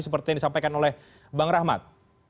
seperti yang disampaikan oleh bang rahmat